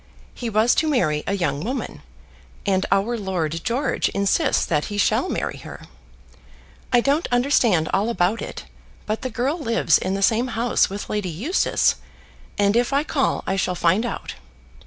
He was to marry a young woman, and our Lord George insists that he shall marry her. I don't understand all about it, but the girl lives in the same house with Lady Eustace, and if I call I shall find out.